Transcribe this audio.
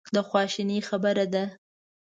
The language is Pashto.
د خواشینۍ خبره ده.